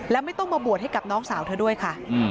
และไม่ต้องมาบวชให้กับน้องสาวเธอด้วยค่ะ